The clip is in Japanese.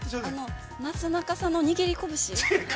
なすなかさんの握り拳。